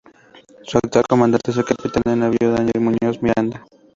Su actual comandante es el Capitán de Navío Daniel Muñoz Miranda.